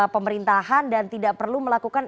pemerintahan dan tidak perlu melakukan